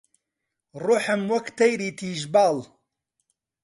ڕووحم وەک تەیری تیژ باڵ